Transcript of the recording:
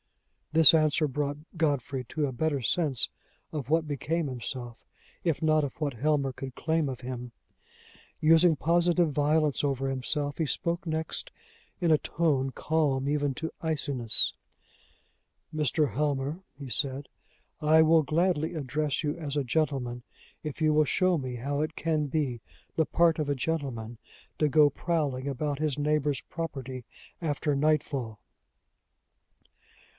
This answer brought Godfrey to a better sense of what became himself, if not of what Helmer could claim of him. Using positive violence over himself, he spoke next in a tone calm even to iciness. "Mr. Helmer," he said, "I will gladly address you as a gentleman, if you will show me how it can be the part of a gentleman to go prowling about his neighbor's property after nightfall."